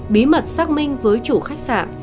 bí mật xác minh với chủ khách sạn